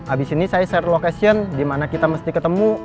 abis ini saya share location dimana kita mesti ketemu